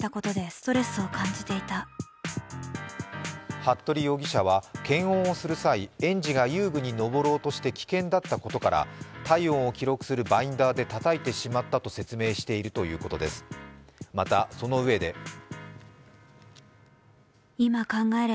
服部容疑者は検温をする際、園児が遊具に登ろうとして危険だったことから体温を記録するバインダーでたたいてしまったと説明しているということです。